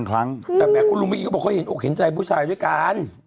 ขนินใจผู้ชายแว่การ